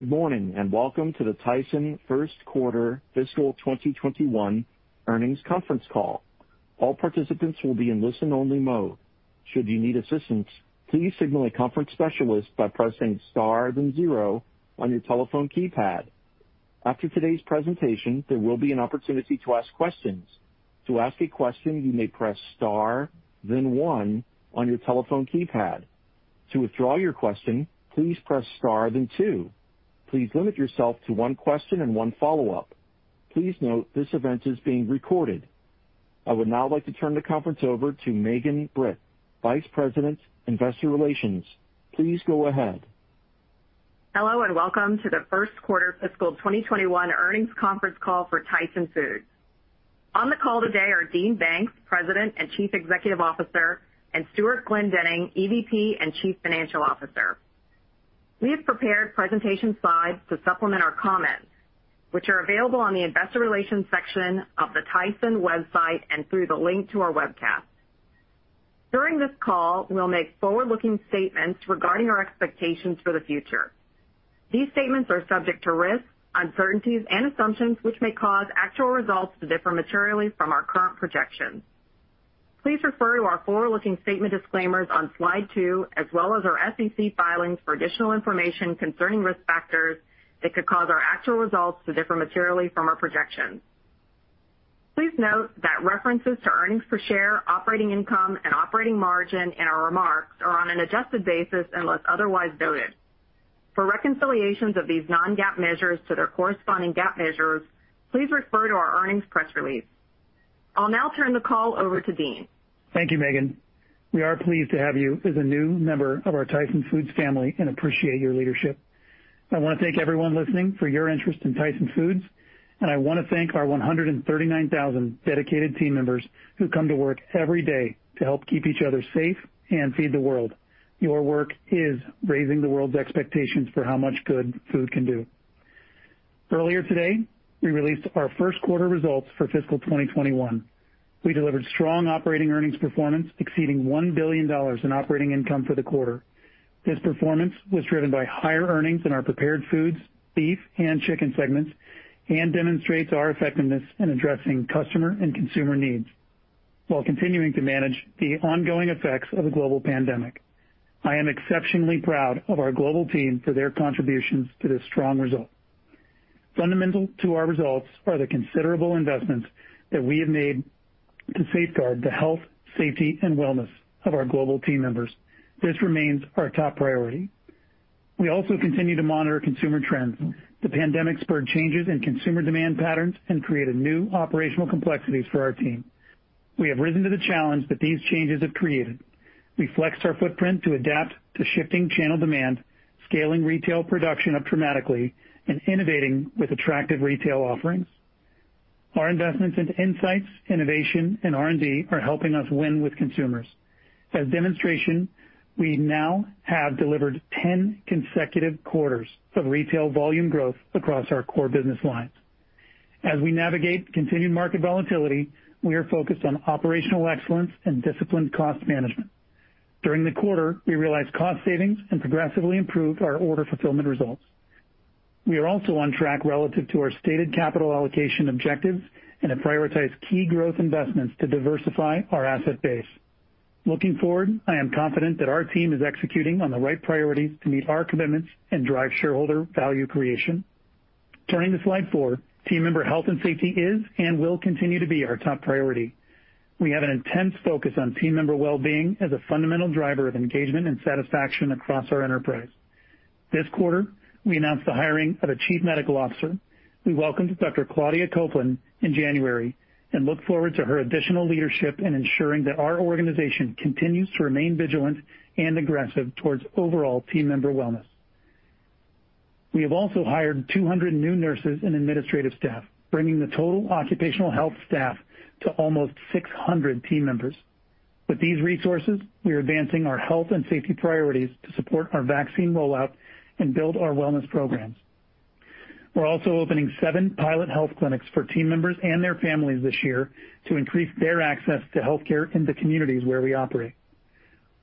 Good morning, and welcome to the Tyson first quarter fiscal 2021 earnings conference call. All participants will be in listen-only mode. Should you need assistance, please signal a conference specialist by pressing star then zero on your telephone keypad. After today's presentation, there will be an opportunity to ask questions. To ask a question, you may press star then one on your telephone keypad. To withdraw your question, please press star then two. Please limit yourself to one question and one follow-up. Please note this event is being recorded. I would now like to turn the conference over to Megan Britt, vice president, investor relations. Please go ahead. Hello, and welcome to the first quarter fiscal 2021 earnings conference call for Tyson Foods. On the call today are Dean Banks, President and Chief Executive Officer, and Stewart Glendinning, EVP and Chief Financial Officer. We have prepared presentation slides to supplement our comments, which are available on the investor relations section of the Tyson website and through the link to our webcast. During this call, we'll make forward-looking statements regarding our expectations for the future. These statements are subject to risks, uncertainties, and assumptions which may cause actual results to differ materially from our current projections. Please refer to our forward-looking statement disclaimers on slide two as well as our SEC filings for additional information concerning risk factors that could cause our actual results to differ materially from our projections. Please note that references to earnings per share, operating income, and operating margin in our remarks are on an adjusted basis unless otherwise noted. For reconciliations of these non-GAAP measures to their corresponding GAAP measures, please refer to our earnings press release. I'll now turn the call over to Dean. Thank you, Megan. We are pleased to have you as a new member of our Tyson Foods family and appreciate your leadership. I want to thank everyone listening for your interest in Tyson Foods, and I want to thank our 139,000 dedicated team members who come to work every day to help keep each other safe and feed the world. Your work is raising the world's expectations for how much good food can do. Earlier today, we released our first quarter results for fiscal 2021. We delivered strong operating earnings performance exceeding $1 billion in operating income for the quarter. This performance was driven by higher earnings in our Prepared Foods, Beef, and Chicken segments and demonstrates our effectiveness in addressing customer and consumer needs while continuing to manage the ongoing effects of the global pandemic. I am exceptionally proud of our global team for their contributions to this strong result. Fundamental to our results are the considerable investments that we have made to safeguard the health, safety, and wellness of our global team members. This remains our top priority. We also continue to monitor consumer trends. The pandemic spurred changes in consumer demand patterns and created new operational complexities for our team. We have risen to the challenge that these changes have created. We flexed our footprint to adapt to shifting channel demand, scaling retail production up dramatically, and innovating with attractive retail offerings. Our investments into insights, innovation, and R&D are helping us win with consumers. As demonstration, we now have delivered 10 consecutive quarters of retail volume growth across our core business lines. As we navigate continued market volatility, we are focused on operational excellence and disciplined cost management. During the quarter, we realized cost savings and progressively improved our order fulfillment results. We are also on track relative to our stated capital allocation objectives and have prioritized key growth investments to diversify our asset base. Looking forward, I am confident that our team is executing on the right priorities to meet our commitments and drive shareholder value creation. Turning to slide four, team member health and safety is and will continue to be our top priority. We have an intense focus on team member wellbeing as a fundamental driver of engagement and satisfaction across our enterprise. This quarter, we announced the hiring of a Chief Medical Officer. We welcomed Dr. Claudia Coplein in January and look forward to her additional leadership in ensuring that our organization continues to remain vigilant and aggressive towards overall team member wellness. We have also hired 200 new nurses and administrative staff, bringing the total occupational health staff to almost 600 team members. With these resources, we are advancing our health and safety priorities to support our vaccine rollout and build our wellness programs. We're also opening seven pilot health clinics for team members and their families this year to increase their access to healthcare in the communities where we operate.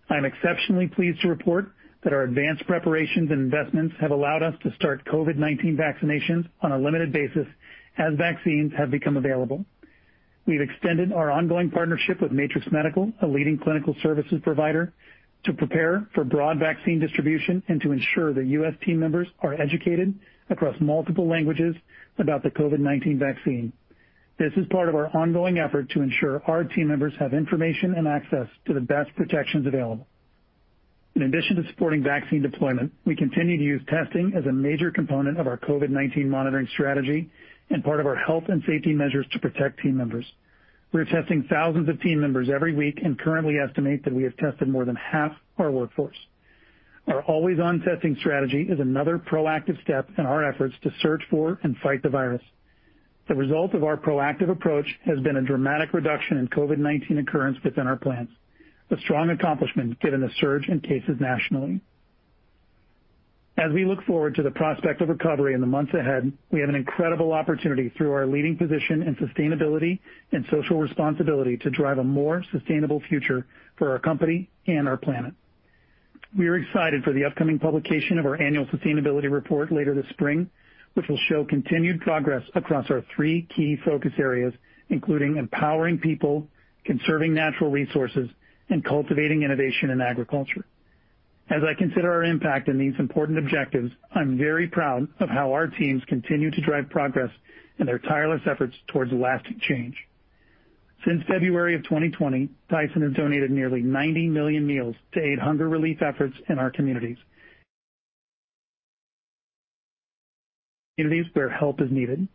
I am exceptionally pleased to report that our advanced preparations and investments have allowed us to start COVID-19 vaccinations on a limited basis as vaccines have become available. We've extended our ongoing partnership with Matrix Medical, a leading clinical services provider, to prepare for broad vaccine distribution and to ensure that U.S. team members are educated across multiple languages about the COVID-19 vaccine. This is part of our ongoing effort to ensure our team members have information and access to the best protections available. In addition to supporting vaccine deployment, we continue to use testing as a major component of our COVID-19 monitoring strategy and part of our health and safety measures to protect team members. We're testing thousands of team members every week and currently estimate that we have tested more than half our workforce. Our always-on testing strategy is another proactive step in our efforts to search for and fight the virus. The result of our proactive approach has been a dramatic reduction in COVID-19 occurrence within our plants, a strong accomplishment given the surge in cases nationally. As we look forward to the prospect of recovery in the months ahead, we have an incredible opportunity through our leading position in sustainability and social responsibility to drive a more sustainable future for our company and our planet. We are excited for the upcoming publication of our annual sustainability report later this spring, which will show continued progress across our three key focus areas, including empowering people, conserving natural resources, and cultivating innovation in agriculture. As I consider our impact in these important objectives, I'm very proud of how our teams continue to drive progress in their tireless efforts towards lasting change. Since February of 2020, Tyson has donated nearly 90 million meals to aid hunger relief efforts in our communities where help is needed.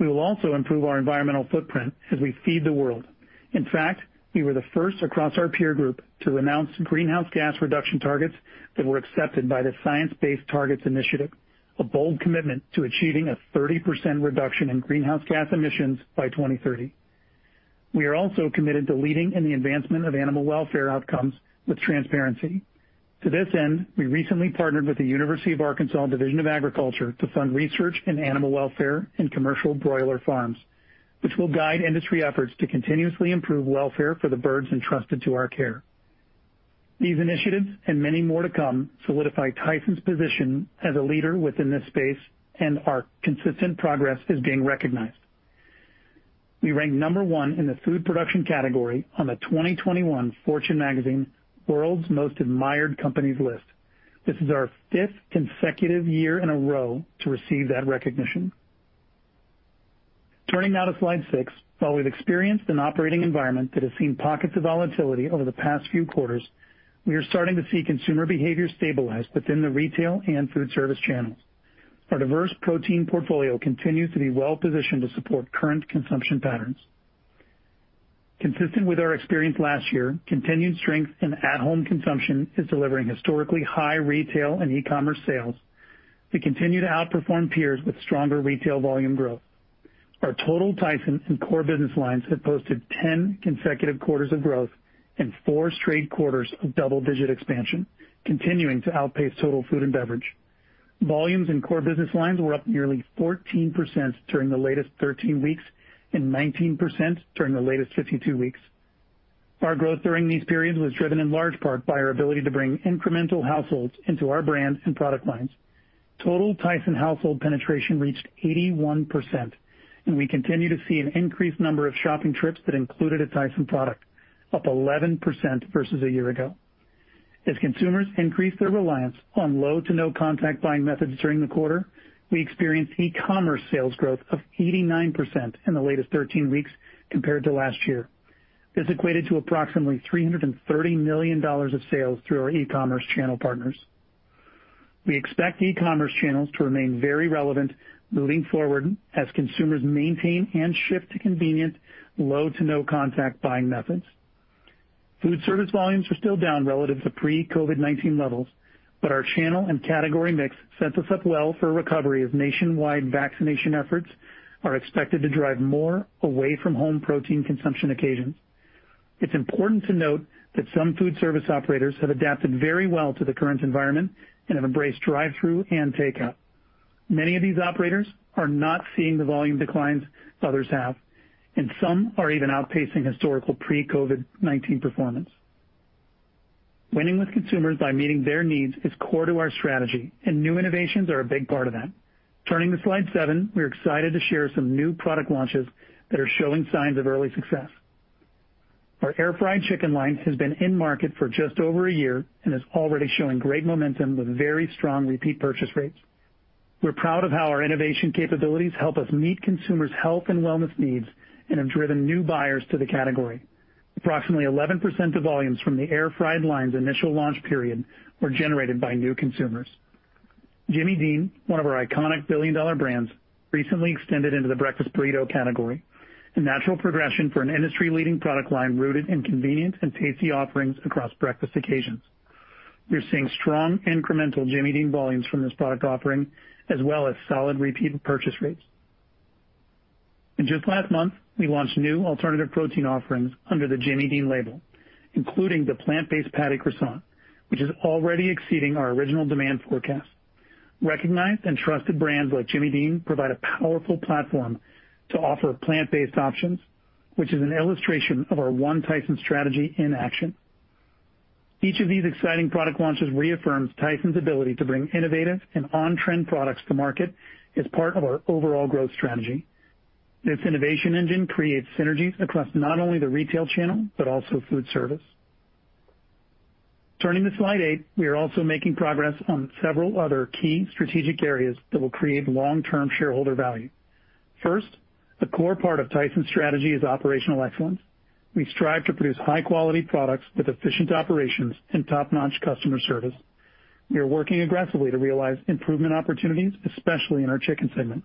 We will also improve our environmental footprint as we feed the world. In fact, we were the first across our peer group to announce greenhouse gas reduction targets that were accepted by the Science Based Targets initiative, a bold commitment to achieving a 30% reduction in greenhouse gas emissions by 2030. We are also committed to leading in the advancement of animal welfare outcomes with transparency. To this end, we recently partnered with the University of Arkansas System Division of Agriculture to fund research in animal welfare in commercial broiler farms, which will guide industry efforts to continuously improve welfare for the birds entrusted to our care. These initiatives and many more to come solidify Tyson's position as a leader within this space and our consistent progress is being recognized. We ranked number one in the food production category on the 2021 Fortune Magazine World's Most Admired Companies list. This is our fifth consecutive year in a row to receive that recognition. Turning now to slide six. While we've experienced an operating environment that has seen pockets of volatility over the past few quarters, we are starting to see consumer behavior stabilize within the retail and food service channels. Our diverse protein portfolio continues to be well-positioned to support current consumption patterns. Consistent with our experience last year, continued strength in at-home consumption is delivering historically high retail and e-commerce sales that continue to outperform peers with stronger retail volume growth. Our total Tyson and core business lines have posted 10 consecutive quarters of growth and four straight quarters of double-digit expansion, continuing to outpace total food and beverage. Volumes in core business lines were up nearly 14% during the latest 13 weeks and 19% during the latest 52 weeks. Our growth during these periods was driven in large part by our ability to bring incremental households into our brands and product lines. Total Tyson household penetration reached 81%, and we continue to see an increased number of shopping trips that included a Tyson product, up 11% versus a year ago. As consumers increase their reliance on low to no contact buying methods during the quarter, we experienced e-commerce sales growth of 89% in the latest 13 weeks compared to last year. This equated to approximately $330 million of sales through our e-commerce channel partners. We expect e-commerce channels to remain very relevant moving forward as consumers maintain and shift to convenient low to no contact buying methods. Food service volumes are still down relative to pre-COVID-19 levels, but our channel and category mix sets us up well for a recovery as nationwide vaccination efforts are expected to drive more away-from-home protein consumption occasions. It's important to note that some food service operators have adapted very well to the current environment and have embraced drive-thru and takeout. Many of these operators are not seeing the volume declines others have, and some are even outpacing historical pre-COVID-19 performance. Winning with consumers by meeting their needs is core to our strategy, and new innovations are a big part of that. Turning to slide seven, we are excited to share some new product launches that are showing signs of early success. Our Air Fried Chicken line has been in market for just over a year and is already showing great momentum with very strong repeat purchase rates. We're proud of how our innovation capabilities help us meet consumers' health and wellness needs and have driven new buyers to the category. Approximately 11% of volumes from the Air Fried line's initial launch period were generated by new consumers. Jimmy Dean, one of our iconic billion-dollar brands, recently extended into the breakfast burrito category, a natural progression for an industry-leading product line rooted in convenience and tasty offerings across breakfast occasions. We're seeing strong incremental Jimmy Dean volumes from this product offering as well as solid repeat purchase rates. Just last month, we launched new alternative protein offerings under the Jimmy Dean label, including the plant-based patty croissant, which is already exceeding our original demand forecast. Recognized and trusted brands like Jimmy Dean provide a powerful platform to offer plant-based options, which is an illustration of our One Tyson strategy in action. Each of these exciting product launches reaffirms Tyson's ability to bring innovative and on-trend products to market as part of our overall growth strategy. This innovation engine creates synergies across not only the retail channel but also food service. Turning to slide eight. We are also making progress on several other key strategic areas that will create long-term shareholder value. First, a core part of Tyson's strategy is operational excellence. We strive to produce high-quality products with efficient operations and top-notch customer service. We are working aggressively to realize improvement opportunities, especially in our chicken segment.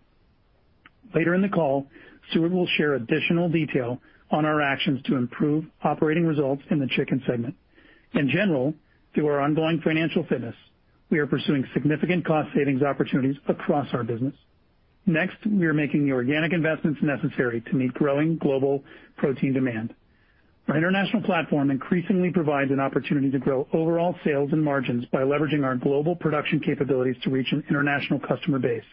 Later in the call, Stewart will share additional detail on our actions to improve operating results in the chicken segment. Through our ongoing financial fitness, we are pursuing significant cost savings opportunities across our business. We are making the organic investments necessary to meet growing global protein demand. Our international platform increasingly provides an opportunity to grow overall sales and margins by leveraging our global production capabilities to reach an international customer base.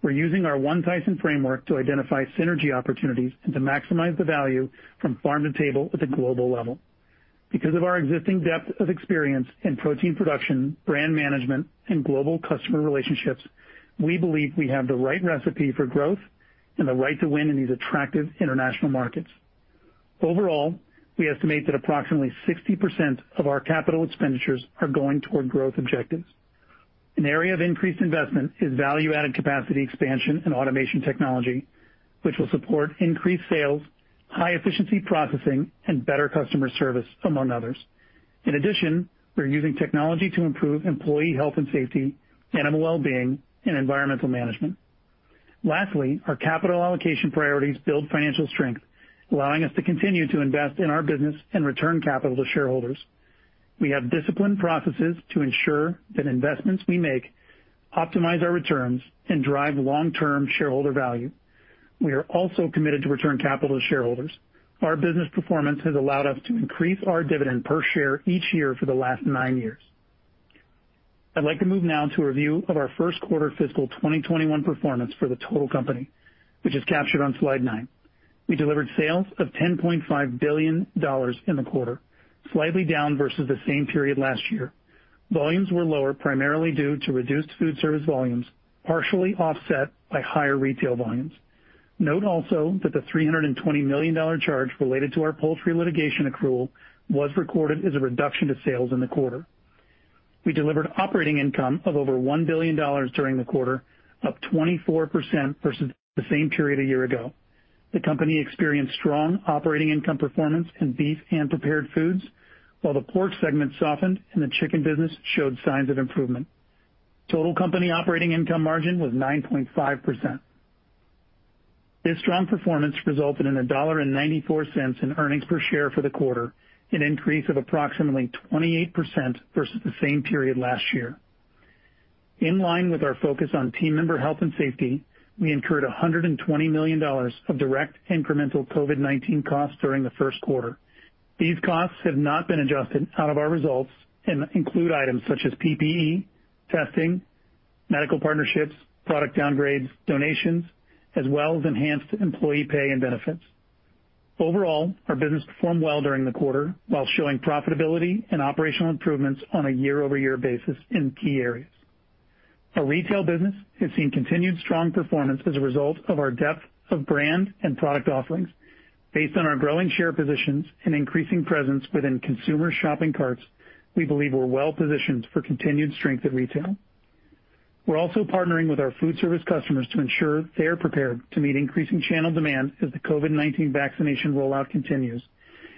We're using our One Tyson framework to identify synergy opportunities and to maximize the value from farm to table at the global level. Because of our existing depth of experience in protein production, brand management, and global customer relationships, we believe we have the right recipe for growth and the right to win in these attractive international markets. Overall, we estimate that approximately 60% of our capital expenditures are going toward growth objectives. An area of increased investment is value-added capacity expansion and automation technology, which will support increased sales, high-efficiency processing, and better customer service, among others. In addition, we're using technology to improve employee health and safety, animal wellbeing, and environmental management. Lastly, our capital allocation priorities build financial strength, allowing us to continue to invest in our business and return capital to shareholders. We have disciplined processes to ensure that investments we make optimize our returns and drive long-term shareholder value. We are also committed to return capital to shareholders. Our business performance has allowed us to increase our dividend per share each year for the last nine years. I'd like to move now to a review of our first quarter fiscal 2021 performance for the total company, which is captured on slide nine. We delivered sales of $10.5 billion in the quarter, slightly down versus the same period last year. Volumes were lower, primarily due to reduced food service volumes, partially offset by higher retail volumes. Note also that the $320 million charge related to our poultry litigation accrual was recorded as a reduction to sales in the quarter. We delivered operating income of over $1 billion during the quarter, up 24% versus the same period a year ago. The company experienced strong operating income performance in beef and prepared foods, while the pork segment softened and the chicken business showed signs of improvement. Total company operating income margin was 9.5%. This strong performance resulted in $1.94 in earnings per share for the quarter, an increase of approximately 28% versus the same period last year. In line with our focus on team member health and safety, we incurred $120 million of direct incremental COVID-19 costs during the first quarter. These costs have not been adjusted out of our results and include items such as PPE, testing, medical partnerships, product downgrades, donations, as well as enhanced employee pay and benefits. Overall, our business performed well during the quarter while showing profitability and operational improvements on a year-over-year basis in key areas. Our retail business has seen continued strong performance as a result of our depth of brand and product offerings. Based on our growing share positions and increasing presence within consumer shopping carts, we believe we're well positioned for continued strength at retail. We're also partnering with our food service customers to ensure they are prepared to meet increasing channel demand as the COVID-19 vaccination rollout continues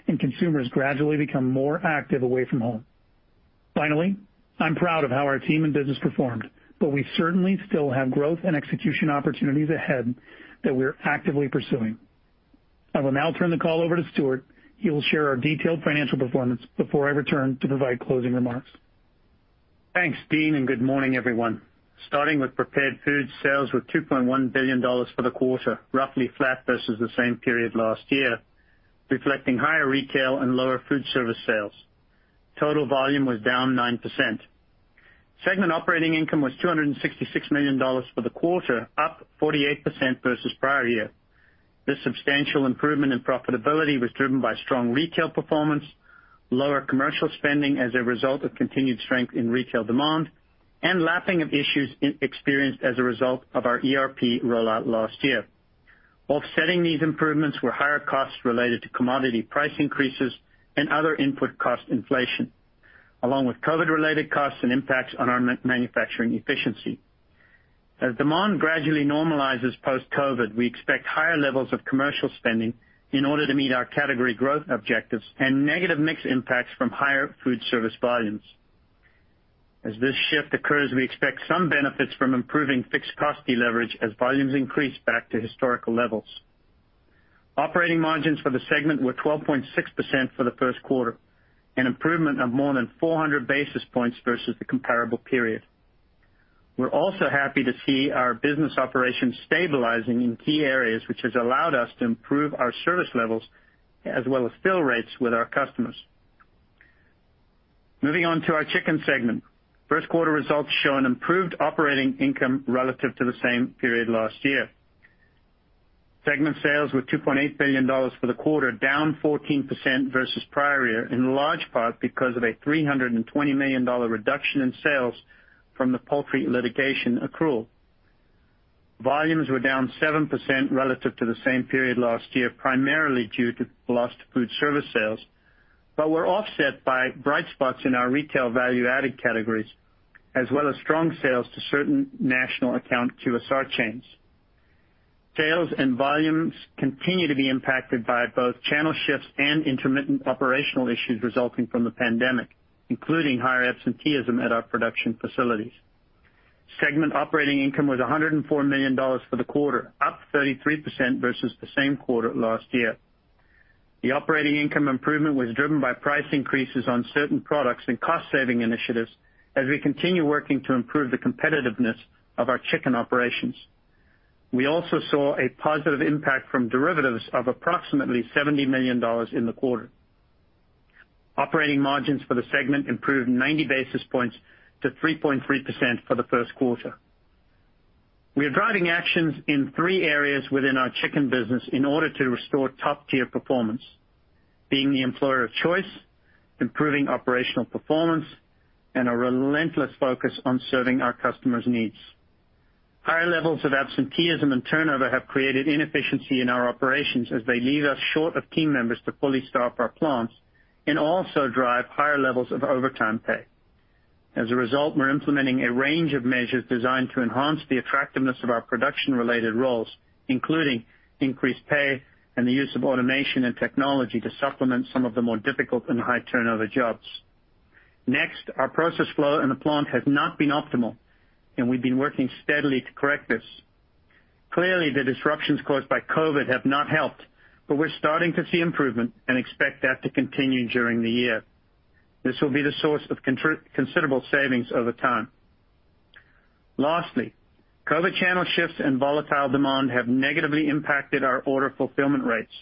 and consumers gradually become more active away from home. Finally, I'm proud of how our team and business performed, but we certainly still have growth and execution opportunities ahead that we're actively pursuing. I will now turn the call over to Stewart, who will share our detailed financial performance before I return to provide closing remarks. Thanks, Dean, and good morning, everyone. Starting with Prepared Foods, sales were $2.1 billion for the quarter, roughly flat versus the same period last year, reflecting higher retail and lower foodservice sales. Total volume was down 9%. Segment operating income was $266 million for the quarter, up 48% versus prior year. This substantial improvement in profitability was driven by strong retail performance, lower commercial spending as a result of continued strength in retail demand, and lapping of issues experienced as a result of our ERP rollout last year. Offsetting these improvements were higher costs related to commodity price increases and other input cost inflation, along with COVID-19-related costs and impacts on our manufacturing efficiency. As demand gradually normalizes post-COVID-19, we expect higher levels of commercial spending in order to meet our category growth objectives and negative mix impacts from higher foodservice volumes. As this shift occurs, we expect some benefits from improving fixed cost deleverage as volumes increase back to historical levels. Operating margins for the segment were 12.6% for the first quarter, an improvement of more than 400 basis points versus the comparable period. We're also happy to see our business operations stabilizing in key areas, which has allowed us to improve our service levels as well as fill rates with our customers. Moving on to our Chicken Segment. First quarter results show an improved operating income relative to the same period last year. Segment sales were $2.8 billion for the quarter, down 14% versus prior year, in large part because of a $320 million reduction in sales from the poultry litigation accrual. Volumes were down 7% relative to the same period last year, primarily due to lost food service sales, but were offset by bright spots in our retail value-added categories, as well as strong sales to certain national account QSR chains. Sales and volumes continue to be impacted by both channel shifts and intermittent operational issues resulting from the pandemic, including higher absenteeism at our production facilities. Segment operating income was $104 million for the quarter, up 33% versus the same quarter last year. The operating income improvement was driven by price increases on certain products and cost-saving initiatives as we continue working to improve the competitiveness of our chicken operations. We also saw a positive impact from derivatives of approximately $70 million in the quarter. Operating margins for the segment improved 90 basis points to 3.3% for the first quarter. We are driving actions in three areas within our chicken business in order to restore top-tier performance, being the employer of choice, improving operational performance, and a relentless focus on serving our customers' needs. High levels of absenteeism and turnover have created inefficiency in our operations as they leave us short of team members to fully staff our plants and also drive higher levels of overtime pay. As a result, we're implementing a range of measures designed to enhance the attractiveness of our production-related roles, including increased pay and the use of automation and technology to supplement some of the more difficult and high-turnover jobs. Our process flow in the plant has not been optimal, and we've been working steadily to correct this. Clearly, the disruptions caused by COVID have not helped, but we're starting to see improvement and expect that to continue during the year. This will be the source of considerable savings over time. Lastly, COVID channel shifts and volatile demand have negatively impacted our order fulfillment rates.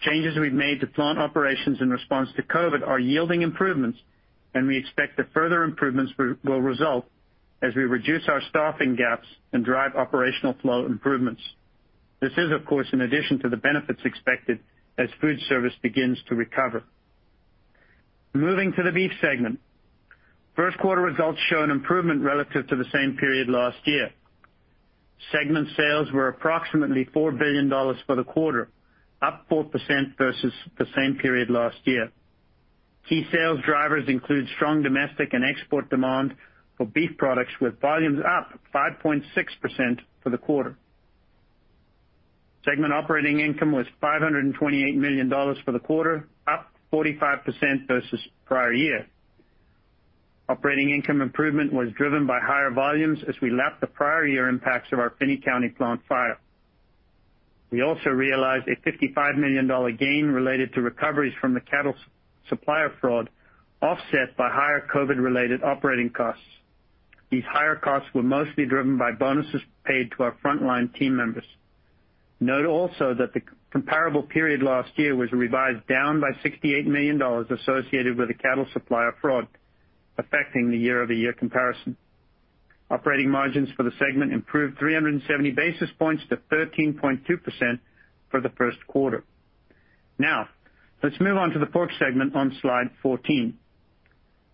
Changes we've made to plant operations in response to COVID are yielding improvements, and we expect that further improvements will result as we reduce our staffing gaps and drive operational flow improvements. This is, of course, in addition to the benefits expected as food service begins to recover. Moving to the Beef Segment. First quarter results show an improvement relative to the same period last year. Segment sales were approximately $4 billion for the quarter, up 4% versus the same period last year. Key sales drivers include strong domestic and export demand for beef products, with volumes up 5.6% for the quarter. Segment operating income was $528 million for the quarter, up 45% versus prior year. Operating income improvement was driven by higher volumes as we lapped the prior year impacts of our Finney County plant fire. We also realized a $55 million gain related to recoveries from the cattle supplier fraud, offset by higher COVID-related operating costs. These higher costs were mostly driven by bonuses paid to our frontline team members. Note also that the comparable period last year was revised down by $68 million associated with the cattle supplier fraud, affecting the year-over-year comparison. Operating margins for the segment improved 370 basis points to 13.2% for the first quarter. Now, let's move on to the Pork segment on slide 14.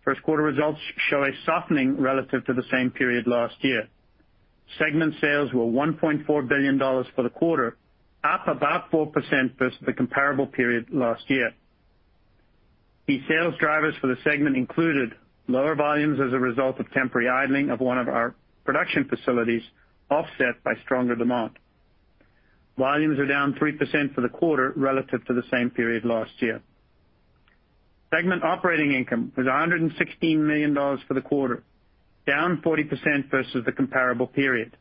First quarter results show a softening relative to the same period last year. Segment sales were $1.4 billion for the quarter, up about 4% versus the comparable period last year. The sales drivers for the segment included lower volumes as a result of temporary idling of one of our production facilities, offset by stronger demand. Volumes are down 3% for the quarter relative to the same period last year. Segment operating income was $116 million for the quarter, down 40% versus the comparable period.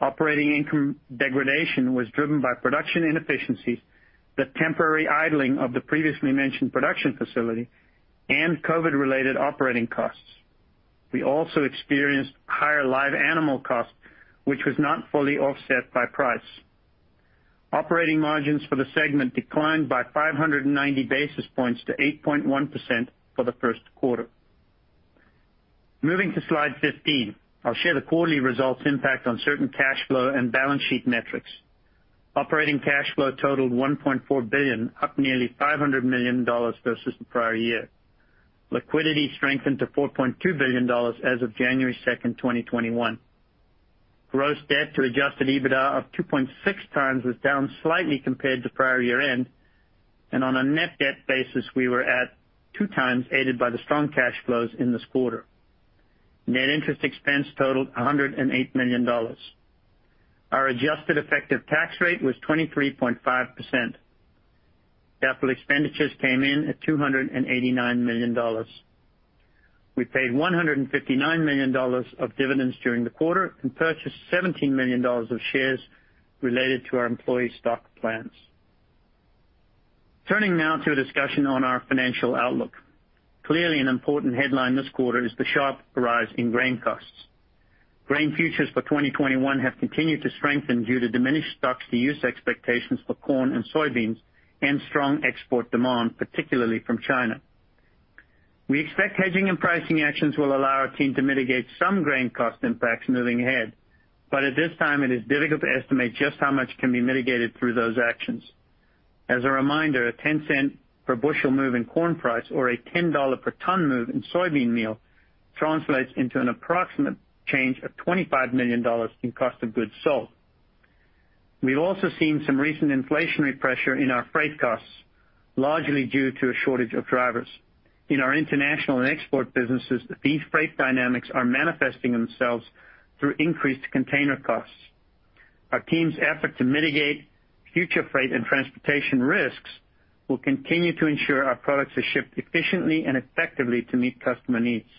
Operating income degradation was driven by production inefficiencies, the temporary idling of the previously mentioned production facility, and COVID-related operating costs. We also experienced higher live animal costs, which was not fully offset by price. Operating margins for the segment declined by 590 basis points to 8.1% for the first quarter. Moving to slide 15. I'll share the quarterly results impact on certain cash flow and balance sheet metrics. Operating cash flow totaled $1.4 billion, up nearly $500 million versus the prior year. Liquidity strengthened to $4.2 billion as of January 2nd, 2021. Gross debt to adjusted EBITDA of 2.6x was down slightly compared to prior year-end, and on a net debt basis, we were at 2x, aided by the strong cash flows in this quarter. Net interest expense totaled $108 million. Our adjusted effective tax rate was 23.5%. Capital expenditures came in at $289 million. We paid $159 million of dividends during the quarter and purchased $17 million of shares related to our employee stock plans. Turning now to a discussion on our financial outlook. Clearly, an important headline this quarter is the sharp rise in grain costs. Grain futures for 2021 have continued to strengthen due to diminished stocks to use expectations for corn and soybeans and strong export demand, particularly from China. We expect hedging and pricing actions will allow our team to mitigate some grain cost impacts moving ahead, but at this time, it is difficult to estimate just how much can be mitigated through those actions. As a reminder, a $0.10 per bushel move in corn price or a $10 per ton move in soybean meal translates into an approximate change of $25 million in cost of goods sold. We've also seen some recent inflationary pressure in our freight costs, largely due to a shortage of drivers. In our international and export businesses, these freight dynamics are manifesting themselves through increased container costs. Our team's effort to mitigate future freight and transportation risks will continue to ensure our products are shipped efficiently and effectively to meet customer needs.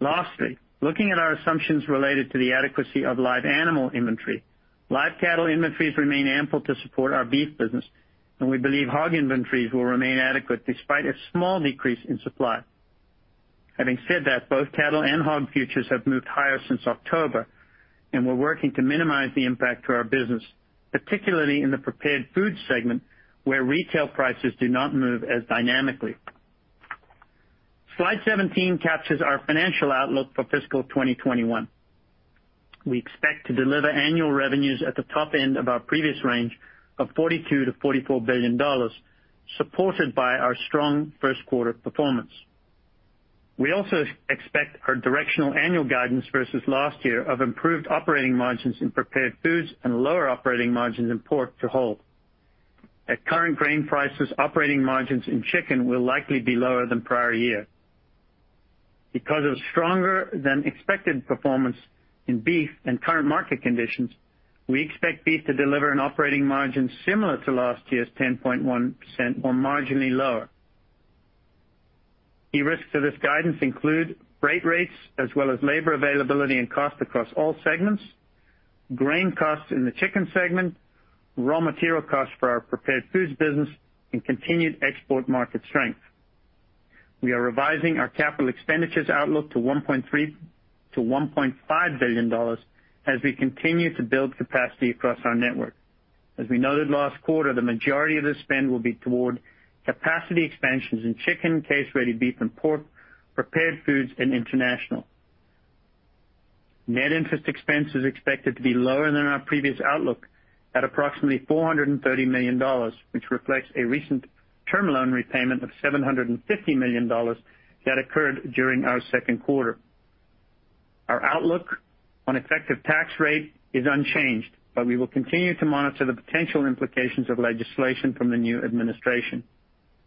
Lastly, looking at our assumptions related to the adequacy of live animal inventory. Live cattle inventories remain ample to support our beef business, and we believe hog inventories will remain adequate despite a small decrease in supply. Having said that, both cattle and hog futures have moved higher since October, and we're working to minimize the impact to our business, particularly in the prepared foods segment, where retail prices do not move as dynamically. Slide 17 captures our financial outlook for fiscal 2021. We expect to deliver annual revenues at the top end of our previous range of $42 billion-$44 billion, supported by our strong first quarter performance. We also expect our directional annual guidance versus last year of improved operating margins in prepared foods and lower operating margins in pork to hold. At current grain prices, operating margins in chicken will likely be lower than prior year. Because of stronger than expected performance in beef and current market conditions, we expect beef to deliver an operating margin similar to last year's 10.1% or marginally lower. Key risks to this guidance include freight rates as well as labor availability and cost across all segments, grain costs in the chicken segment, raw material costs for our prepared foods business, and continued export market strength. We are revising our capital expenditures outlook to $1.3 billion-$1.5 billion as we continue to build capacity across our network. As we noted last quarter, the majority of this spend will be toward capacity expansions in chicken, case-ready beef and pork, prepared foods, and international. Net interest expense is expected to be lower than our previous outlook at approximately $430 million, which reflects a recent term loan repayment of $750 million that occurred during our second quarter. Our outlook on effective tax rate is unchanged. We will continue to monitor the potential implications of legislation from the new administration.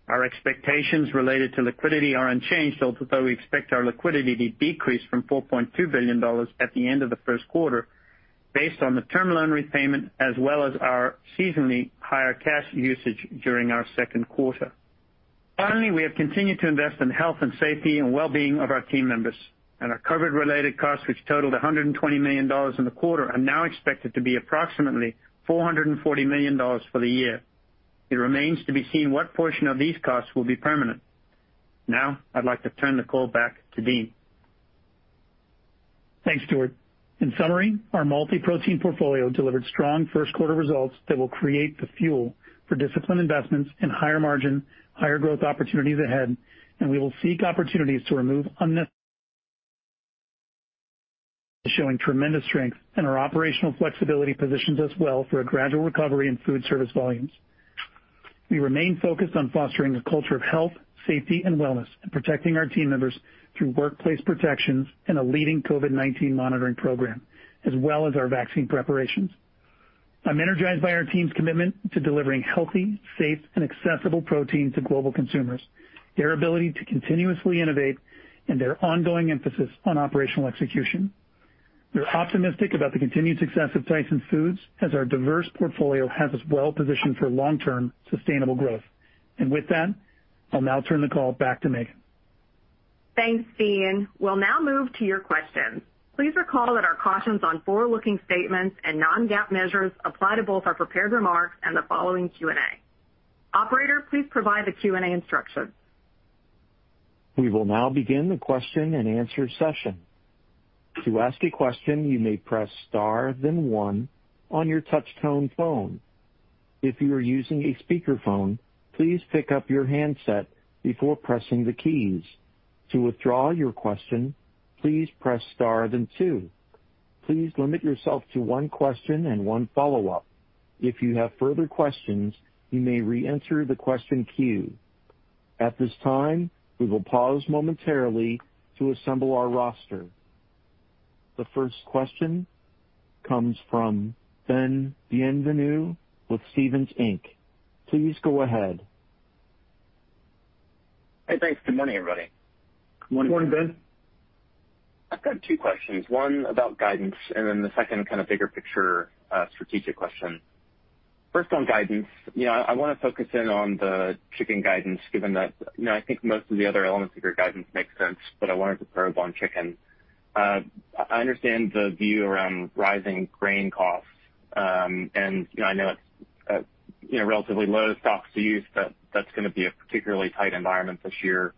Our expectations related to liquidity are unchanged, although we expect our liquidity to decrease from $4.2 billion at the end of the first quarter, based on the term loan repayment, as well as our seasonally higher cash usage during our second quarter. We have continued to invest in health and safety and wellbeing of our team members, and our COVID-related costs, which totaled $120 million in the quarter, are now expected to be approximately $440 million for the year. It remains to be seen what portion of these costs will be permanent. I'd like to turn the call back to Dean. Thanks, Stewart. In summary, our multi-protein portfolio delivered strong first quarter results that will create the fuel for disciplined investments in higher margin, higher growth opportunities ahead, and we will seek opportunities uncertain showing tremendous strength, and our operational flexibility positions us well for a gradual recovery in food service volumes. We remain focused on fostering a culture of health, safety, and wellness and protecting our team members through workplace protections and a leading COVID-19 monitoring program, as well as our vaccine preparations. I'm energized by our team's commitment to delivering healthy, safe, and accessible protein to global consumers, their ability to continuously innovate, and their ongoing emphasis on operational execution. We're optimistic about the continued success of Tyson Foods as our diverse portfolio has us well positioned for long-term sustainable growth. With that, I'll now turn the call back to Megan. Thanks, Dean. We'll now move to your questions. Please recall that our cautions on forward-looking statements and non-GAAP measures apply to both our prepared remarks and the following Q&A. Operator, please provide the Q&A instructions. The first question comes from Ben Bienvenu with Stephens Inc. Please go ahead. Hey, thanks. Good morning, everybody. Good morning. Good morning, Ben. I've got two questions, one about guidance and then the second kind of bigger picture, strategic question. First, on guidance. I want to focus in on the chicken guidance, given that, I think most of the other elements of your guidance make sense, but I wanted to focus on chicken. I understand the view around rising grain costs. I know it's relatively low stocks to use, but that's going to be a particularly tight environment this year.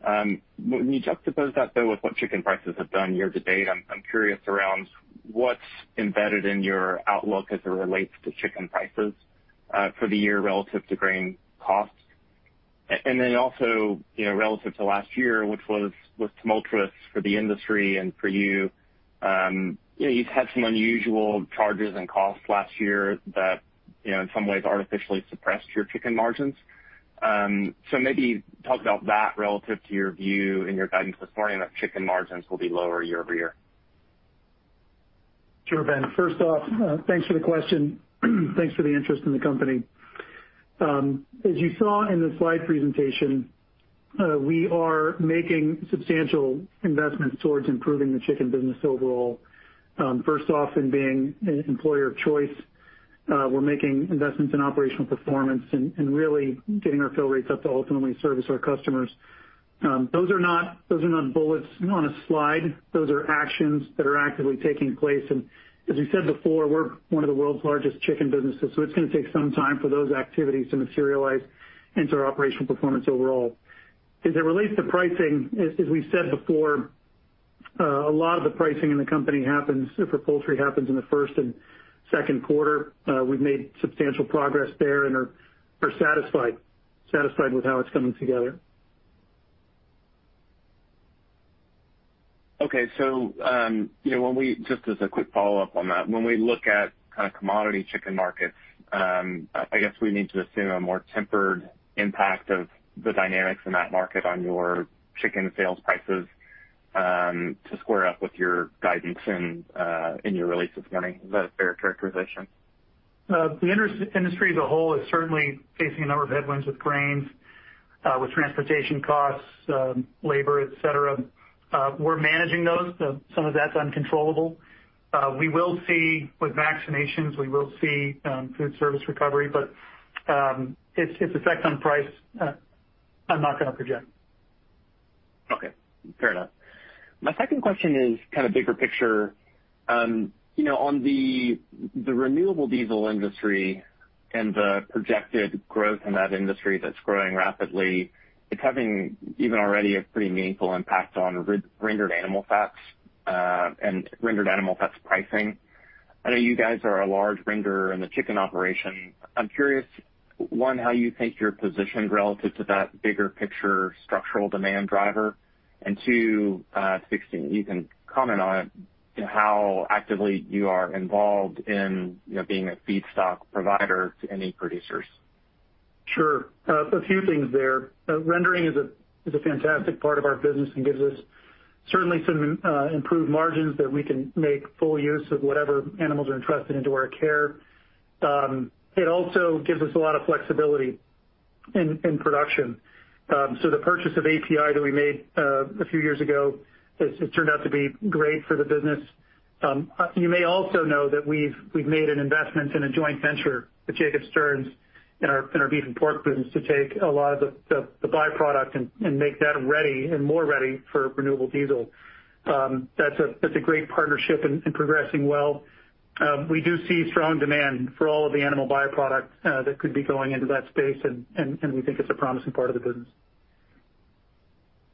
When you juxtapose that, though, with what chicken prices have done year-to-date, I'm curious around what's embedded in your outlook as it relates to chicken prices for the year relative to grain costs. Also, relative to last year, which was tumultuous for the industry and for you. You've had some unusual charges and costs last year that, in some ways, artificially suppressed your chicken margins. Maybe talk about that relative to your view and your guidance this morning that chicken margins will be lower year-over-year. Sure, Ben. First off, thanks for the question. Thanks for the interest in the company. As you saw in the slide presentation, we are making substantial investments towards improving the chicken business overall. First off, in being an employer of choice. We're making investments in operational performance and really getting our fill rates up to ultimately service our customers. Those are not bullets on a slide. Those are actions that are actively taking place. We're one of the world's largest chicken businesses, so it's going to take some time for those activities to materialize into our operational performance overall. As it relates to pricing, as we've said before. A lot of the pricing in the company happens for poultry happens in the first and second quarter. We've made substantial progress there and are satisfied with how it's coming together. Okay. Just as a quick follow-up on that, when we look at commodity chicken markets, I guess we need to assume a more tempered impact of the dynamics in that market on your chicken sales prices, to square up with your guidance in your release this morning. Is that a fair characterization? The industry as a whole is certainly facing a number of headwinds with grains, with transportation costs, labor, et cetera. We're managing those. Some of that's uncontrollable. With vaccinations, we will see food service recovery. Its effect on price, I'm not going to project. Okay, fair enough. My second question is bigger picture. On the renewable diesel industry and the projected growth in that industry that's growing rapidly, it's having even already a pretty meaningful impact on rendered animal fats and rendered animal fats pricing. I know you guys are a large render in the chicken operation. I'm curious, one, how you think you're positioned relative to that bigger picture structural demand driver. Two, if you can comment on how actively you are involved in being a feedstock provider to any producers. Sure. A few things there. Rendering is a fantastic part of our business and gives us certainly some improved margins that we can make full use of whatever animals are entrusted into our care. It also gives us a lot of flexibility in production. The purchase of API that we made a few years ago has turned out to be great for the business. You may also know that we've made an investment in a joint venture with Jacob Stern in our beef and pork business to take a lot of the byproduct and make that ready and more ready for renewable diesel. That's a great partnership and progressing well. We do see strong demand for all of the animal byproducts that could be going into that space, and we think it's a promising part of the business.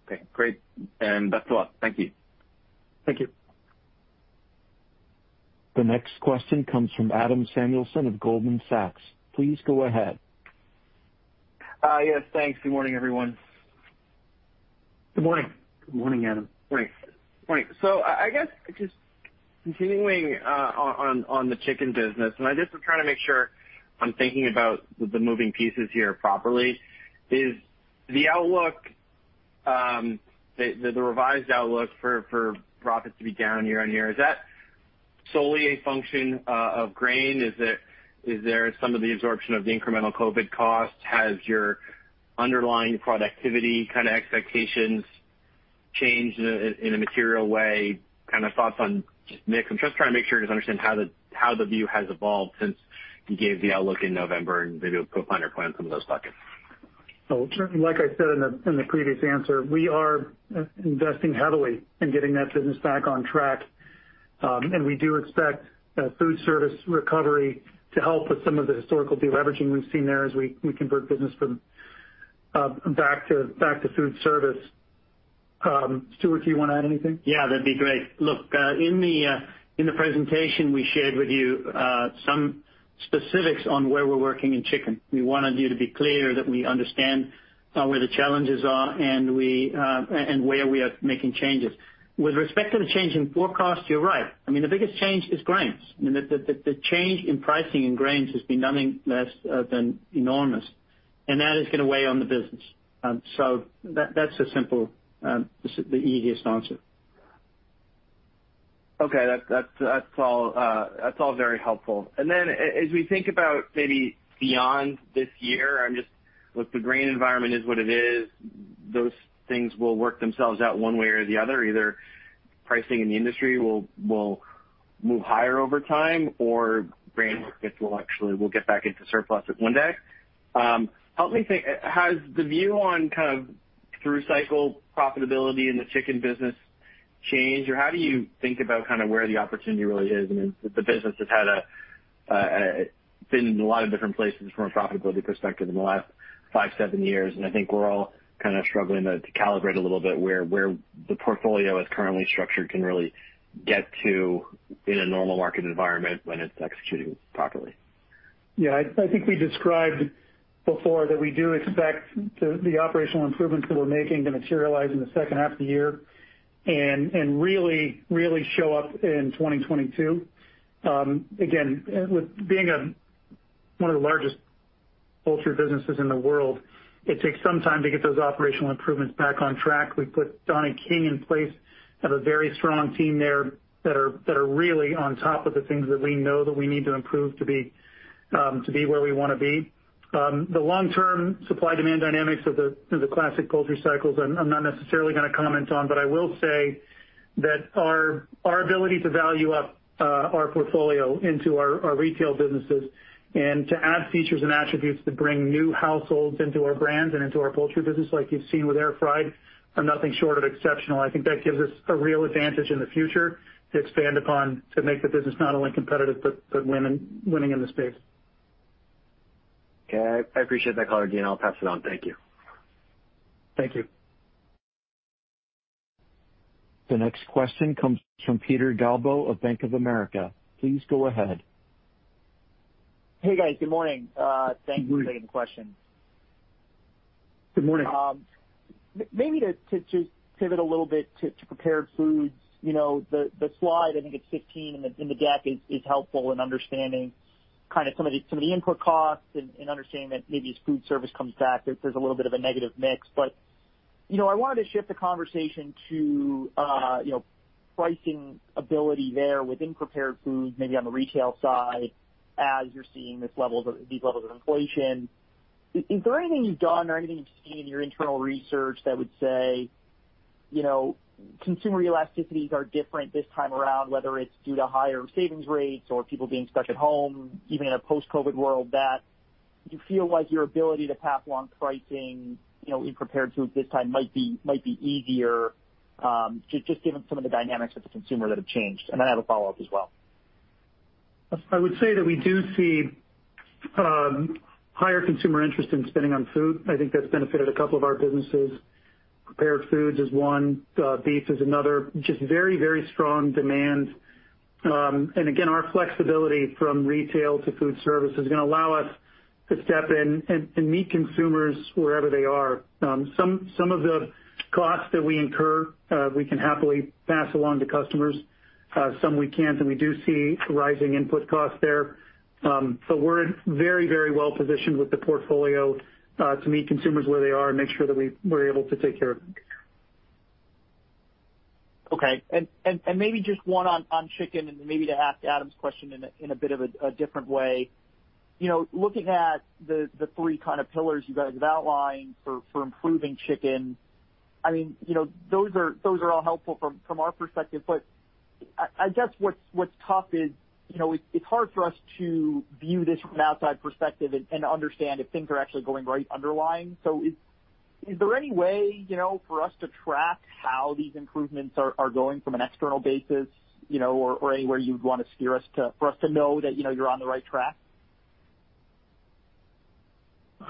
Okay, great. That's all. Thank you. Thank you. The next question comes from Adam Samuelson of Goldman Sachs. Please go ahead. Yes, thanks. Good morning, everyone. Good morning. Good morning, Adam. Morning. I guess just continuing on the chicken business, and I just was trying to make sure I'm thinking about the moving pieces here properly, is the revised outlook for profits to be down year-over-year, is that solely a function of grain? Is there some of the absorption of the incremental COVID cost? Has your underlying productivity expectations changed in a material way? Thoughts on just mix? I'm just trying to make sure to understand how the view has evolved since you gave the outlook in November and maybe we'll put a finer point on some of those buckets. Like I said in the previous answer, we are investing heavily in getting that business back on track. We do expect food service recovery to help with some of the historical de-leveraging we've seen there as we convert business back to food service. Stewart, do you want to add anything? Yeah, that'd be great. Look, in the presentation we shared with you some specifics on where we're working in chicken. We wanted you to be clear that we understand where the challenges are and where we are making changes. With respect to the change in forecast, you're right. The biggest change is grains. The change in pricing in grains has been nothing less than enormous, and that is going to weigh on the business. That's the easiest answer. Okay. That's all very helpful. As we think about maybe beyond this year, the grain environment is what it is. Those things will work themselves out one way or the other. Either pricing in the industry will move higher over time or grain markets will actually get back into surplus at one day. Has the view on through-cycle profitability in the chicken business changed or how do you think about where the opportunity really is? The business has been in a lot of different places from a profitability perspective in the last five, seven years, and I think we're all struggling to calibrate a little bit where the portfolio is currently structured can really get to in a normal market environment when it's executing properly. Yeah, I think we described before that we do expect the operational improvements that we're making to materialize in the second half of the year and really show up in 2022. Again, with being one of the largest poultry businesses in the world, it takes some time to get those operational improvements back on track. We put Donnie King in place, have a very strong team there that are really on top of the things that we know that we need to improve to be where we want to be. The long-term supply-demand dynamics of the classic poultry cycles, I'm not necessarily going to comment on, but I will say that our ability to value up our portfolio into our retail businesses and to add features and attributes that bring new households into our brands and into our poultry business like you've seen with Air Fried are nothing short of exceptional. I think that gives us a real advantage in the future to expand upon to make the business not only competitive but winning in the space. Okay. I appreciate that, color. Again, I'll pass it on. Thank you. Thank you. The next question comes from Peter Galbo of Bank of America. Please go ahead. Hey, guys. Good morning. Thanks for taking the question. Good morning. Maybe to just pivot a little bit to prepared foods. The slide, I think it's 15 in the deck, is helpful in understanding some of the input costs and understanding that maybe as food service comes back, there's a little bit of a negative mix. I wanted to shift the conversation to pricing ability there within prepared foods, maybe on the retail side, as you're seeing these levels of inflation. Is there anything you've done or anything you've seen in your internal research that would say consumer elasticities are different this time around, whether it's due to higher savings rates or people being stuck at home, even in a post-COVID world, that you feel like your ability to pass along pricing in prepared foods this time might be easier, just given some of the dynamics of the consumer that have changed? I have a follow-up as well. I would say that we do see higher consumer interest in spending on food. I think that's benefited a couple of our businesses. Prepared foods is one, beef is another. Just very strong demand. Again, our flexibility from retail to food service is going to allow us to step in and meet consumers wherever they are. Some of the costs that we incur, we can happily pass along to customers. Some we can't, and we do see rising input costs there. We're very well-positioned with the portfolio to meet consumers where they are and make sure that we're able to take care of them. Okay. Maybe just one on chicken and maybe to ask Adam's question in a bit of a different way. Looking at the three pillars you guys have outlined for improving chicken, those are all helpful from our perspective. I guess what's tough is it's hard for us to view this from an outside perspective and understand if things are actually going right underlying. Is there any way for us to track how these improvements are going from an external basis or anywhere you'd want to steer us for us to know that you're on the right track?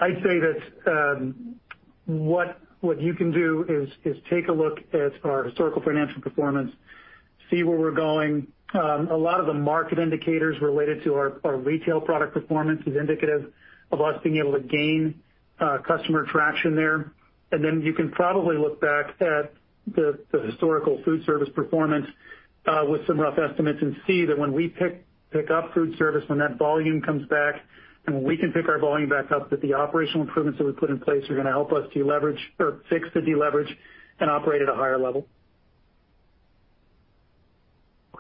I'd say that what you can do is take a look at our historical financial performance, see where we're going. A lot of the market indicators related to our retail product performance is indicative of us being able to gain customer traction there. Then you can probably look back at the historical food service performance with some rough estimates and see that when we pick up food service, when that volume comes back, and when we can pick our volume back up, that the operational improvements that we put in place are going to help us fix the deleverage and operate at a higher level.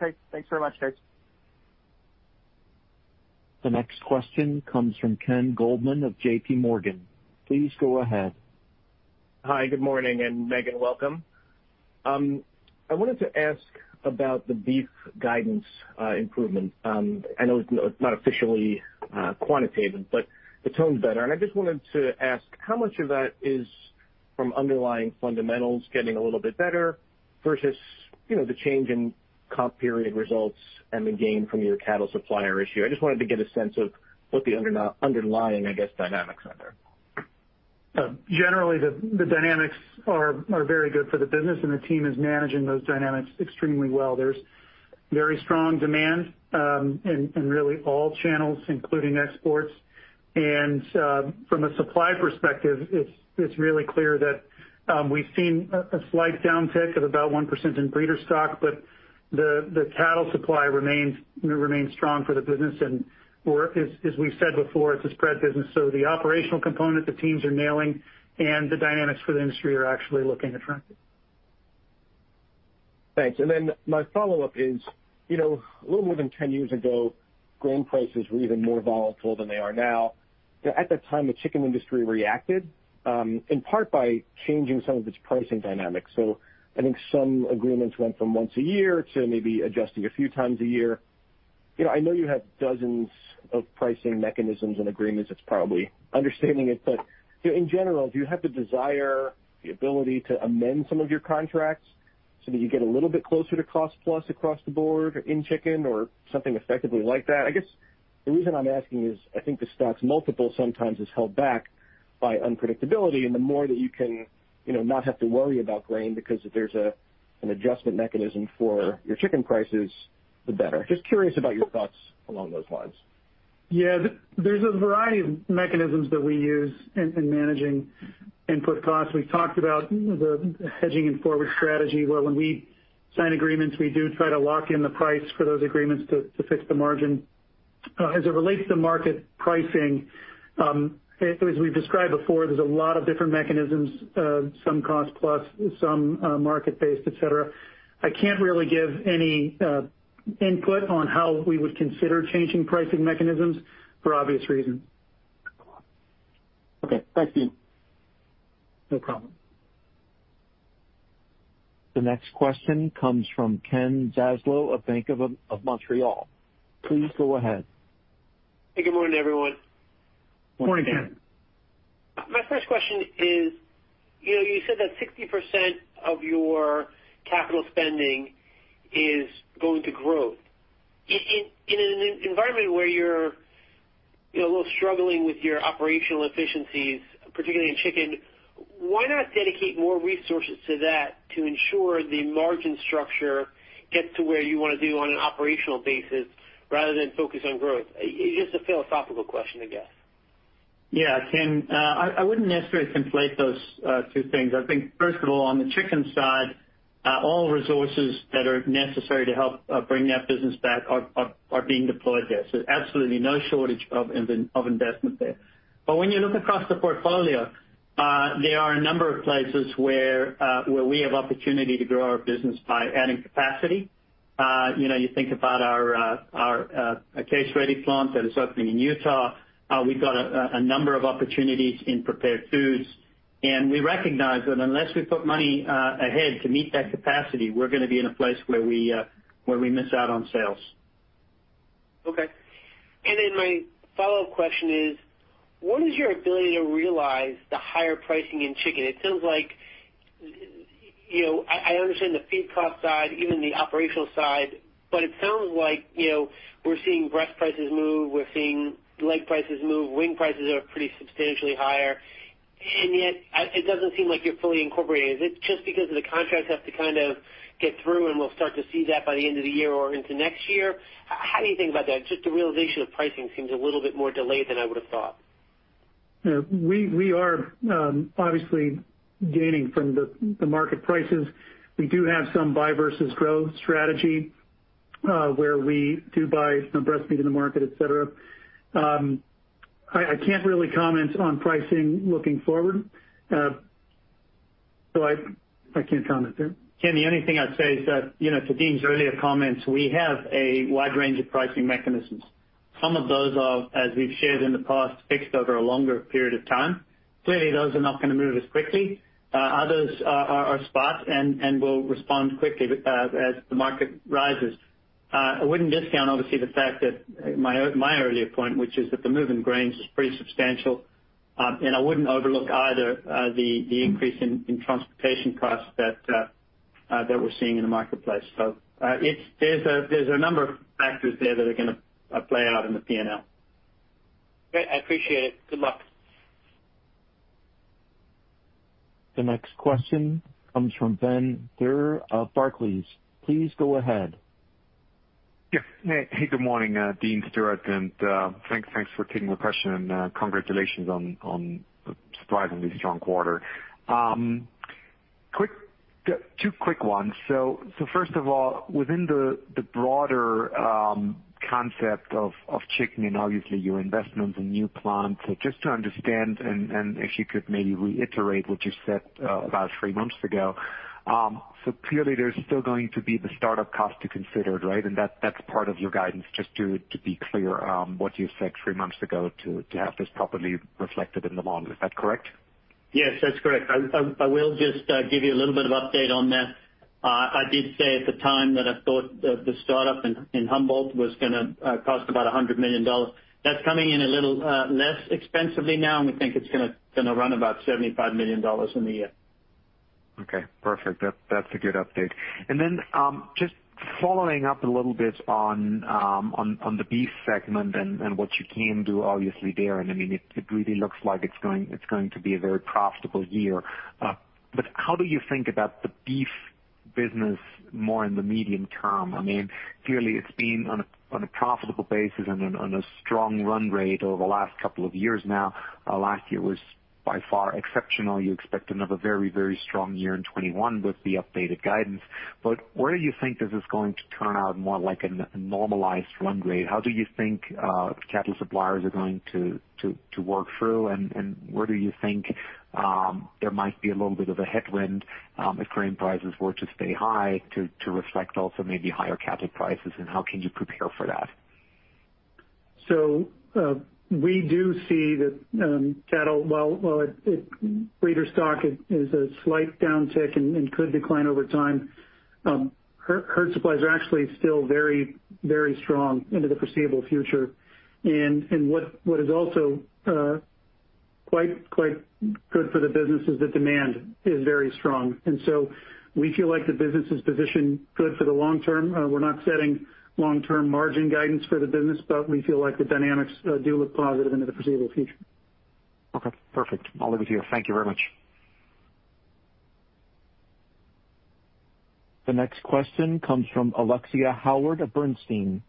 Okay. Thanks very much, guys. The next question comes from Ken Goldman of JPMorgan. Please go ahead. Hi, good morning, and Megan, welcome. I wanted to ask about the beef guidance improvement. I know it's not officially quantitative, but the tone is better. I just wanted to ask, how much of that is from underlying fundamentals getting a little bit better versus the change in comp period results and the gain from your cattle supplier issue? I just wanted to get a sense of what the underlying, I guess, dynamics are there. Generally, the dynamics are very good for the business, and the team is managing those dynamics extremely well. There is very strong demand in really all channels, including exports. From a supply perspective, it is really clear that we have seen a slight downtick of about 1% in breeder stock, but the cattle supply remains strong for the business and as we have said before, it is a spread business. The operational component, the teams are nailing, and the dynamics for the industry are actually looking attractive. Thanks. My follow-up is, a little more than 10 years ago, grain prices were even more volatile than they are now. At that time, the chicken industry reacted, in part by changing some of its pricing dynamics. I think some agreements went from once a year to maybe adjusting a few times a year. I know you have dozens of pricing mechanisms and agreements. It's probably understanding it, in general, do you have the desire, the ability to amend some of your contracts so that you get a little bit closer to cost plus across the board in chicken or something effectively like that? I guess the reason I'm asking is I think the stock's multiple sometimes is held back by unpredictability, the more that you can not have to worry about grain because there's an adjustment mechanism for your chicken prices, the better. Just curious about your thoughts along those lines. Yeah. There's a variety of mechanisms that we use in managing input costs. We've talked about the hedging and forward strategy, where when we sign agreements, we do try to lock in the price for those agreements to fix the margin. As it relates to market pricing, as we've described before, there's a lot of different mechanisms, some cost plus, some market-based, et cetera. I can't really give any input on how we would consider changing pricing mechanisms for obvious reasons. Okay. Thanks, Dean. No problem. The next question comes from Ken Zaslow of Bank of Montreal. Please go ahead. Good morning, everyone. Morning, Ken. My first question is, you said that 60% of your capital spending is going to growth. In an environment where you're a little struggling with your operational efficiencies, particularly in chicken, why not dedicate more resources to that to ensure the margin structure gets to where you want to be on an operational basis rather than focus on growth? It's just a philosophical question, I guess. Yeah, Ken, I wouldn't necessarily conflate those two things. I think first of all, on the chicken side, all resources that are necessary to help bring that business back are being deployed there. Absolutely no shortage of investment there. When you look across the portfolio, there are a number of places where we have opportunity to grow our business by adding capacity. You think about our case-ready plant that is opening in Utah. We've got a number of opportunities in prepared foods, and we recognize that unless we put money ahead to meet that capacity, we're going to be in a place where we miss out on sales. Okay. My follow-up question is: What is your ability to realize the higher pricing in chicken? I understand the feed cost side, even the operational side, but it sounds like we're seeing breast prices move, we're seeing leg prices move. Wing prices are pretty substantially higher, and yet it doesn't seem like you're fully incorporated. Is it just because of the contracts have to get through, and we'll start to see that by the end of the year or into next year? How do you think about that? Just the realization of pricing seems a little bit more delayed than I would've thought. We are obviously gaining from the market prices. We do have some buy versus grow strategy, where we do buy some breast meat in the market, et cetera. I can't really comment on pricing looking forward. I can't comment there. Ken, the only thing I'd say is that to Dean's earlier comments, we have a wide range of pricing mechanisms. Some of those are, as we've shared in the past, fixed over a longer period of time. Clearly, those are not going to move as quickly. Others are spot and will respond quickly as the market rises. I wouldn't discount, obviously, my earlier point, which is that the move in grains is pretty substantial. I wouldn't overlook either the increase in transportation costs that we're seeing in the marketplace. There's a number of factors there that are going to play out in the P&L. Great, I appreciate it. Good luck. The next question comes from Ben Theurer of Barclays. Please go ahead. Yeah. Hey, good morning Dean, Stewart. Thanks for taking the question and congratulations on a surprisingly strong quarter. Two quick ones. First of all, within the broader concept of chicken and obviously your investments in new plants, so just to understand, and if you could maybe reiterate what you said about three months ago. Clearly there's still going to be the start-up cost to consider, right? That's part of your guidance, just to be clear, what you said three months ago to have this properly reflected in the model. Is that correct? Yes, that's correct. I will just give you a little bit of update on that. I did say at the time that I thought the start-up in Humboldt was going to cost about $100 million. That's coming in a little less expensively now, and we think it's going to run about $75 million in the year. Okay, perfect. That's a good update. Just following up a little bit on the beef segment and what you can do obviously there, it really looks like it's going to be a very profitable year. How do you think about the beef business more in the medium term? Clearly it's been on a profitable basis and on a strong run rate over the last couple of years now. Last year was by far exceptional. You expect another very strong year in 2021 with the updated guidance. Where do you think this is going to turn out more like a normalized run rate? How do you think cattle suppliers are going to work through and where do you think there might be a little bit of a headwind if grain prices were to stay high to reflect also maybe higher cattle prices, and how can you prepare for that? We do see that cattle, while breeder stock is a slight downtick and could decline over time. Herd supplies are actually still very strong into the foreseeable future. What is also quite good for the business is that demand is very strong. We feel like the business is positioned good for the long term. We're not setting long-term margin guidance for the business, but we feel like the dynamics do look positive into the foreseeable future. Okay, perfect. I'll leave it here. Thank you very much. The next question comes from Alexia Howard of Bernstein.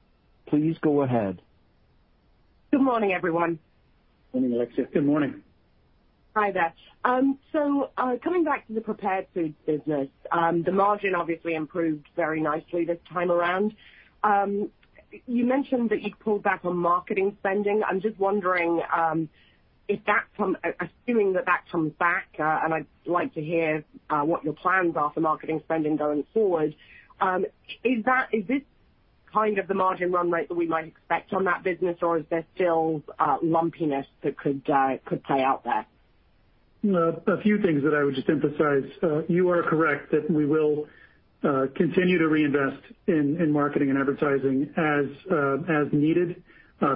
Please go ahead. Good morning, everyone. Morning, Alexia. Good morning. Hi there. Coming back to the prepared foods business, the margin obviously improved very nicely this time around. You mentioned that you'd pulled back on marketing spending. I'm just wondering, assuming that comes back, and I'd like to hear what your plans are for marketing spending going forward. Is this the margin run rate that we might expect on that business, or is there still lumpiness that could play out there? A few things that I would just emphasize. You are correct that we will continue to reinvest in marketing and advertising as needed.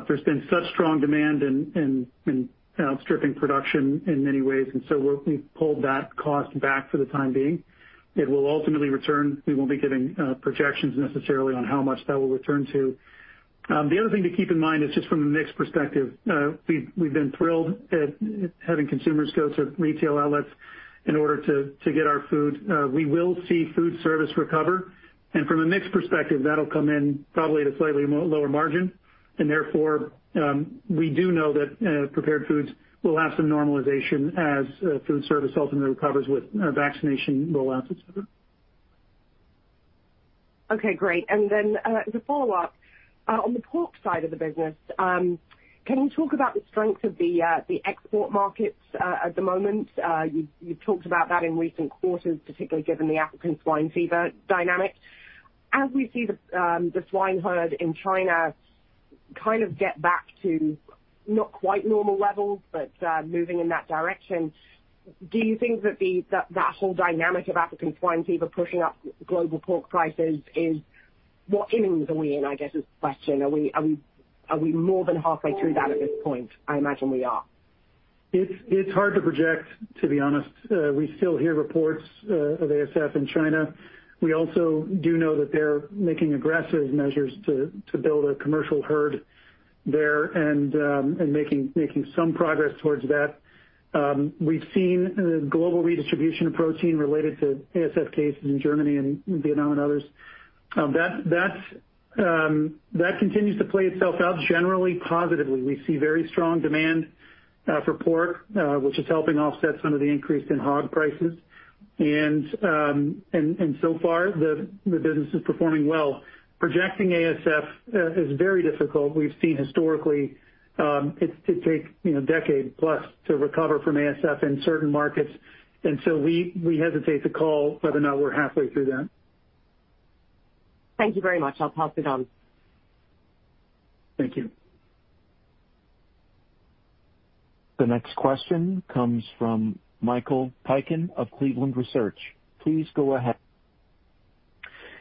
There's been such strong demand and outstripping production in many ways, and so we've pulled that cost back for the time being. It will ultimately return. We won't be giving projections necessarily on how much that will return to. The other thing to keep in mind is just from the mix perspective. We've been thrilled at having consumers go to retail outlets in order to get our food. We will see food service recover, and from a mix perspective, that'll come in probably at a slightly lower margin. We do know that prepared foods will have some normalization as food service ultimately recovers with vaccination rollouts, et cetera. Okay, great. As a follow-up, on the pork side of the business, can you talk about the strength of the export markets at the moment? You've talked about that in recent quarters, particularly given the African swine fever dynamics. As we see the swine herd in China kind of get back to not quite normal levels, but moving in that direction, do you think that whole dynamic of African swine fever pushing up global pork prices, what innings are we in, I guess, is the question. Are we more than halfway through that at this point? I imagine we are. It's hard to project, to be honest. We still hear reports of ASF in China. We also do know that they're making aggressive measures to build a commercial herd there and making some progress towards that. We've seen the global redistribution of protein related to ASF cases in Germany and Vietnam and others. That continues to play itself out generally positively. We see very strong demand for pork, which is helping offset some of the increase in hog prices. So far, the business is performing well. Projecting ASF is very difficult. We've seen historically it takes a decade plus to recover from ASF in certain markets. So we hesitate to call whether or not we're halfway through that. Thank you very much. I'll pass it on. Thank you. The next question comes from Michael Piken of Cleveland Research. Please go ahead.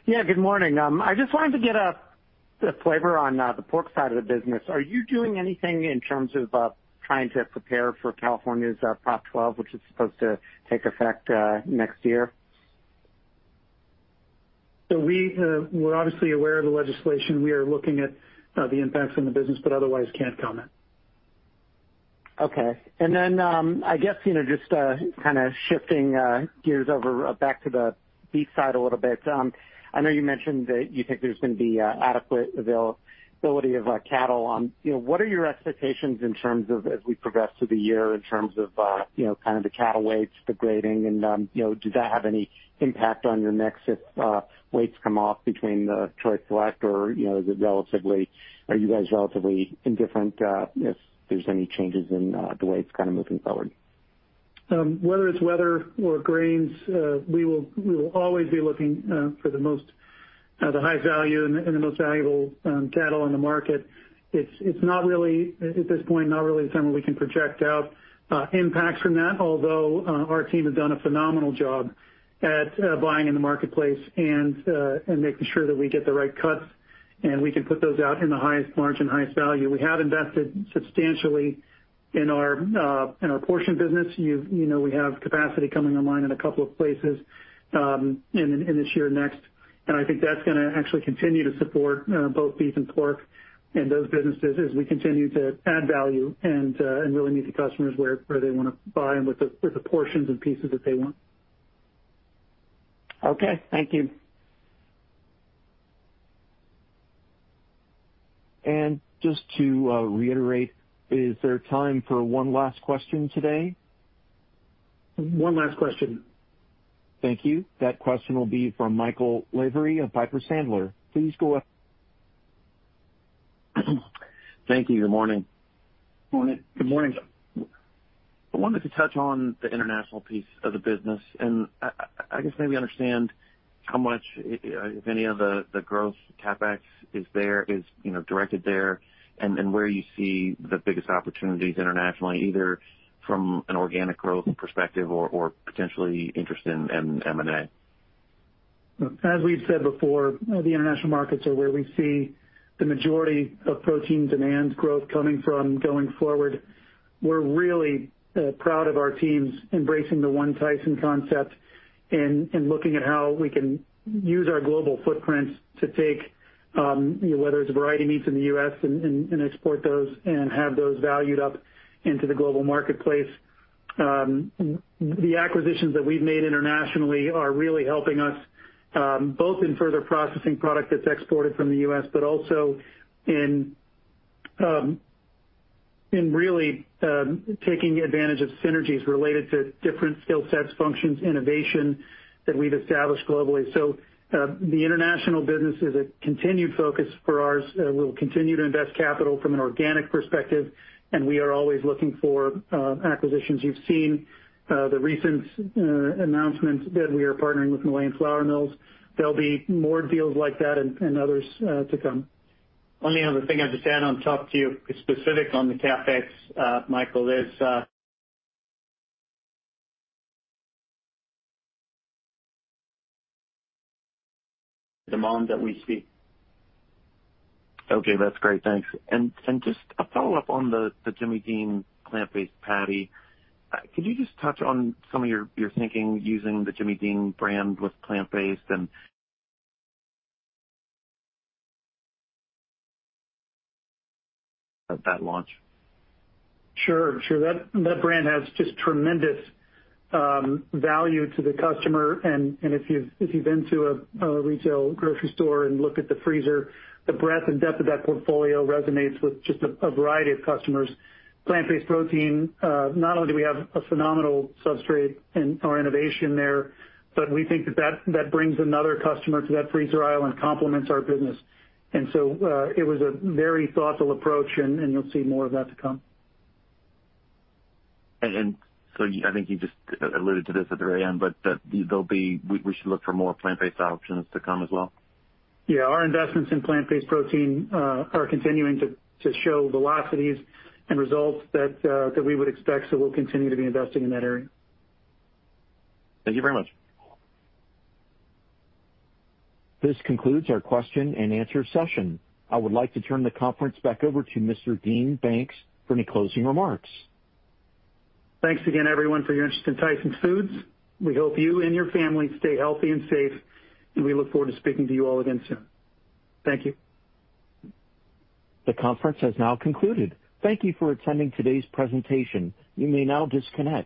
Yeah, good morning. I just wanted to get a flavor on the pork side of the business. Are you doing anything in terms of trying to prepare for California's Proposition 12, which is supposed to take effect next year? We're obviously aware of the legislation. We are looking at the impacts on the business, but otherwise can't comment. Okay. I guess, just kind of shifting gears over back to the beef side a little bit. I know you mentioned that you think there's going to be adequate availability of cattle. What are your expectations as we progress through the year in terms of the cattle weights, the grading, and does that have any impact on your mix if weights come off between the Choice Select or are you guys relatively indifferent if there's any changes in the way it's kind of moving forward? Whether it's weather or grains, we will always be looking for the high value and the most valuable cattle on the market. At this point, not really something we can project out impacts from that, although our team has done a phenomenal job at buying in the marketplace and making sure that we get the right cuts and we can put those out in the highest margin, highest value. We have invested substantially in our portion business. We have capacity coming online in a couple of places this year and next, and I think that's going to actually continue to support both beef and pork and those businesses as we continue to add value and really meet the customers where they want to buy and with the portions and pieces that they want. Okay. Thank you. Just to reiterate, is there time for one last question today? One last question? Thank you. That question will be from Michael Lavery of Piper Sandler. Please go ahead. Thank you. Good morning. Good morning. I wanted to touch on the international piece of the business and I guess maybe understand how much, if any, of the growth CapEx is directed there and where you see the biggest opportunities internationally, either from an organic growth perspective or potentially interest in M&A. As we've said before, the international markets are where we see the majority of protein demand growth coming from going forward. We're really proud of our teams embracing the One Tyson concept and looking at how we can use our global footprints to take, whether it's a variety of meats in the U.S. and export those and have those valued up into the global marketplace. The acquisitions that we've made internationally are really helping us both in further processing product that's exported from the U.S., but also in really taking advantage of synergies related to different skill sets, functions, innovation that we've established globally. The international business is a continued focus for ours. We'll continue to invest capital from an organic perspective, and we are always looking for acquisitions. You've seen the recent announcement that we are partnering with Malayan Flour Mills. There'll be more deals like that and others to come. Only other thing I'd just add on top to you specific on the CapEx, Michael, is demand that we see. Okay, that's great. Thanks. Just a follow-up on the Jimmy Dean plant-based patty. Could you just touch on some of your thinking using the Jimmy Dean brand with plant-based and of that launch? Sure. That brand has just tremendous value to the customer, and if you've been to a retail grocery store and looked at the freezer, the breadth and depth of that portfolio resonates with just a variety of customers. Plant-based protein, not only do we have a phenomenal substrate in our innovation there, but we think that that brings another customer to that freezer aisle and complements our business. It was a very thoughtful approach, and you'll see more of that to come. I think you just alluded to this at the very end, but we should look for more plant-based options to come as well? Yeah, our investments in plant-based protein are continuing to show velocities and results that we would expect. We'll continue to be investing in that area. Thank you very much. This concludes our question and answer session. I would like to turn the conference back over to Mr. Dean Banks for any closing remarks. Thanks again, everyone, for your interest in Tyson Foods. We hope you and your family stay healthy and safe, and we look forward to speaking to you all again soon. Thank you. The conference has now concluded. Thank You for attending today's presentation. You may now disconnect.